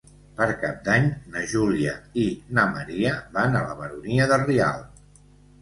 Per Cap d'Any na Júlia i na Maria van a la Baronia de Rialb.